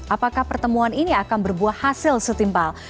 apakah pertemuan ini akan berbuah hasil setimpal